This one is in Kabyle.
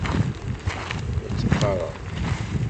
La tt-qqareɣ.